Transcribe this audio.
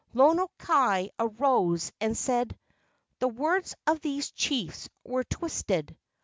Lono kai arose and said: "The words of these chiefs were twisted.